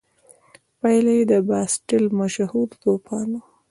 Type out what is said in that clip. پایله یې د باسټیل مشهور توپان و.